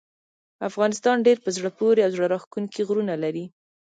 افغانستان ډیر په زړه پورې او زړه راښکونکي غرونه لري.